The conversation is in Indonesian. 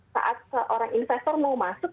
saat seorang investor mau masuk